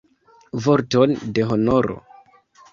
Vorton de honoro!